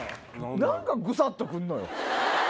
何かグサっと来るのよ。